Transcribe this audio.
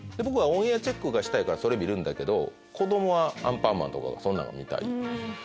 僕はオンエアチェックがしたいからそれ見るんだけど子供は『アンパンマン』とかそんなんが見たい。